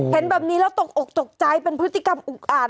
เห็นแบบนี้แล้วตกอกตกใจเป็นพฤติกรรมอุกอ่าน